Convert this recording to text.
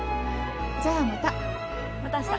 じゃあまた。